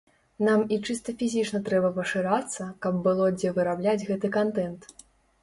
Нам і чыста фізічна трэба пашырацца, каб было дзе вырабляць гэты кантэнт.